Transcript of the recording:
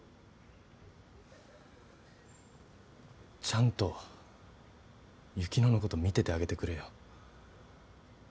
ちゃんと雪乃のこと見ててあげてくれよ。